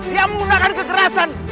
dia menggunakan kekerasan